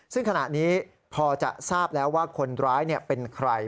ซึ่งขณะนี้พอจะทราบแล้วว่าคนร้ายเป็นใคร